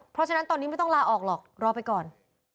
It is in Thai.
เพราะฉะนั้นตอนนี้ไม่ต้องลาออกหรอกรอไปก่อน